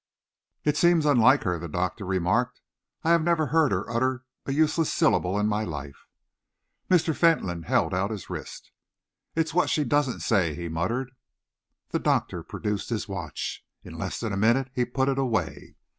"It seems unlike her," the doctor remarked. "I have never heard her utter a useless syllable in my life." Mr. Fentolin held out his wrist. "It's what she doesn't say," he muttered. The doctor produced his watch. In less than a minute he put it away.